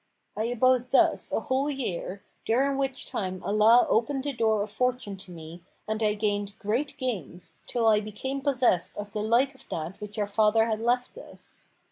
I abode thus a whole year, during which time Allah opened the door of fortune to me and I gained great gains, till I became possessed of the like of that which our father had left us.